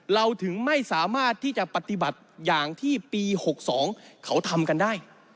เราถึงไม่สามารถที่จะปฏิบัติอย่างที่ปี๖๒เขาทำกันได้